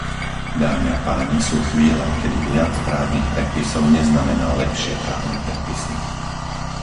Dámy a páni, sú chvíle, kedy viac právnych predpisov neznamená lepšie právne predpisy.